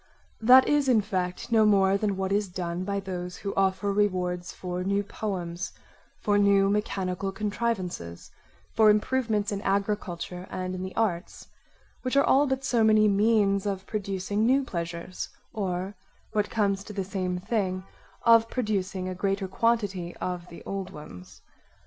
That is, in fact, no more than what is done by those who offer rewards for new poems, for new mechanical contrivances, for improvements in agriculture and in the arts; which are all but so many means of producing new pleasures, or what comes to the same thing, of producing a greater quantity of the old ones.